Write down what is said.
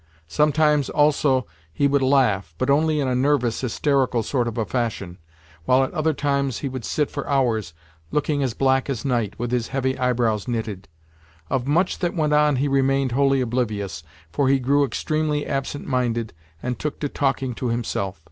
Sometimes, also, he would laugh, but only in a nervous, hysterical sort of a fashion; while at other times he would sit for hours looking as black as night, with his heavy eyebrows knitted. Of much that went on he remained wholly oblivious, for he grew extremely absent minded, and took to talking to himself.